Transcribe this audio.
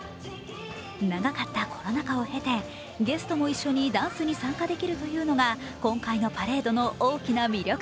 長かったコロナ禍を経てゲストも一緒にダンスに参加できるというのが今回のパレードの大きな魅力。